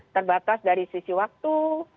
terbatas dari sisi waktu